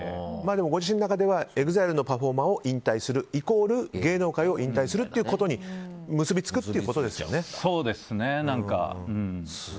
でも、ご自身の中ではＥＸＩＬＥのパフォーマーを引退する、イコール芸能界を引退するということにそうですね。